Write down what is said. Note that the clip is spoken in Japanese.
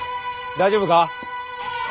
大丈夫か？